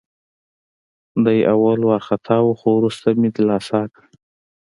دی اول وارخطا وه، خو وروسته مې دلاسا کړه.